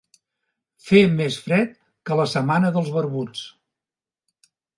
Fer més fred que la setmana dels barbuts.